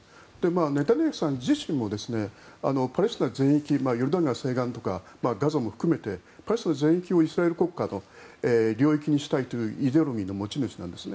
ネタニヤフさん自身もパレスチナ全域ヨルダン川西岸とかガザも含めてパレスチナの全域をイスラエル国家の領域にしたいというイデオロギーの持ち主なんです。